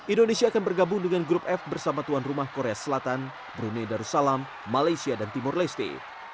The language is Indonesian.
indonesia akan bergabung dengan grup f bersama tuan rumah korea selatan brunei darussalam malaysia dan timur leste